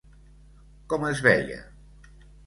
Com es veia?